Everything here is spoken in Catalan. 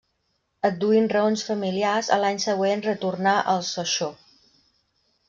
Adduint raons familiars, a l'any següent retorna al Sochaux.